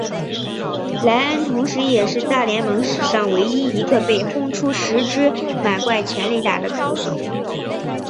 莱恩同时也是大联盟史上唯一一个被轰出十支满贯全垒打的投手。